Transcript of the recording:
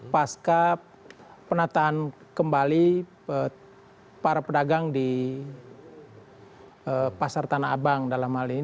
pasca penataan kembali para pedagang di pasar tanah abang dalam hal ini